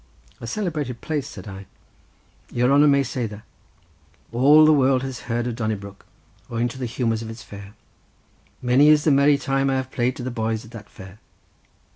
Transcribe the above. "A celebrated place," said I. "Your hanner may say that; all the world has heard of Donnybrook, owing to the humours of its fair. Many is the merry tune I have played to the boys at that fair."